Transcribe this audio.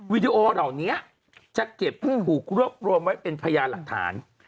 วิดีโอเหล่านี้จะเก็บถูกรวบรวมไว้เป็นพยานหลักฐาน